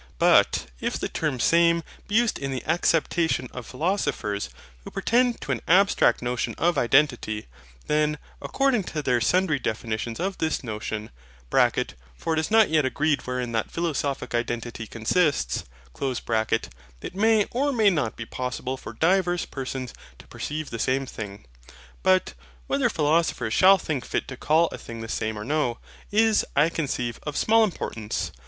But, if the term SAME be used in the acceptation of philosophers, who pretend to an abstracted notion of identity, then, according to their sundry definitions of this notion (for it is not yet agreed wherein that philosophic identity consists), it may or may not be possible for divers persons to perceive the same thing. But whether philosophers shall think fit to CALL a thing the SAME or no, is, I conceive, of small importance.